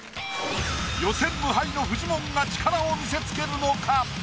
予選無敗のフジモンが力を見せつけるのか？